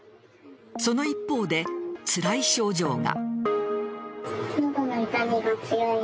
その一方で、つらい症状が。